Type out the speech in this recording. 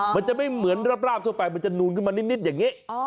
มันจะไม่เหมือนราบทั่วไปมันจะนูนขึ้นมานิดอย่างนี้